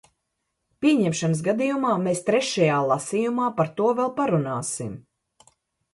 Pieņemšanas gadījumā mēs trešajā lasījumā par to vēl parunāsim.